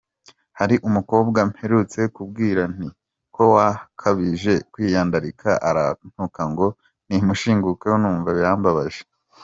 Hari umukobwa mperutse kubwira nti ko wakabije kwiyandarika arantuka ngo nimushingukeho numva birambaje.